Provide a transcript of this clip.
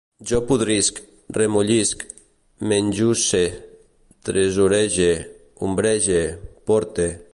Jo podrisc, remollisc, menjusse, tresorege, ombrege, porte